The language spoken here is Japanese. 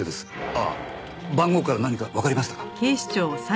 あっ番号から何かわかりましたか？